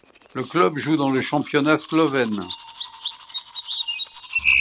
Le club joue dans le championnat slovène.